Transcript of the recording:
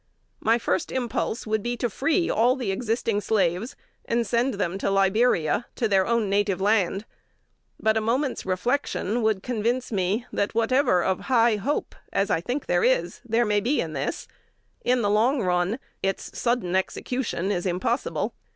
My first impulse would be to free all the existing slaves, and send them to Liberia, to their own native land; but a moment's reflection would convince me that whatever of high hope (as I think there is) there may be in this, in the long run, its sudden execution is impossible.